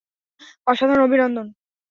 অসাধারণ, অভিনন্দন!